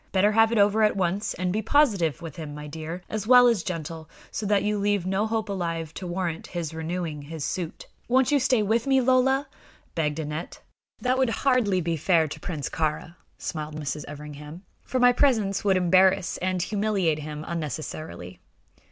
Better have it over at once; and be positive with him, my dear, as well as gentle, so that you leave no hope alive to warrant his renewing his suit." "Won't you stay with me, Lola?" begged Aneth. "That would hardly be fair to Prince Kāra," smiled Mrs. Everingham, "for my presence would embarrass and humiliate him unnecessarily.